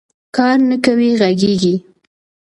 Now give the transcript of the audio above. کار نه کوې غږېږې